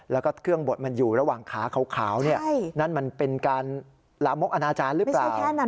แล้วก็เครื่องบดมันอยู่ระหว่างขาขาวนั่นมันเป็นการลามกอนาจารย์หรือเปล่า